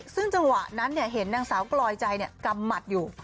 ซึ่งจังหวะนั้นเห็นนางสาวกลอยใจกำหมัดอยู่